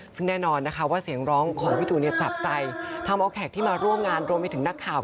ซึ่งแน่นอนนะคะว่าเสียงร้องของพี่ตูนเนี่ยจับใจทำเอาแขกที่มาร่วมงานรวมไปถึงนักข่าว